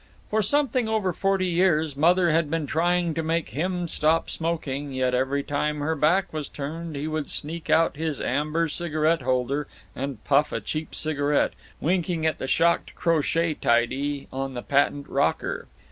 For something over forty years Mother had been trying to make him stop smoking, yet every time her back was turned he would sneak out his amber cigarette holder and puff a cheap cigarette, winking at the shocked crochet tidy on the patent rocker.